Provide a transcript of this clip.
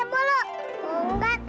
jangan berantem mulu